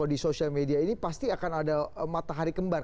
di sosial media ini pasti akan ada matahari kembar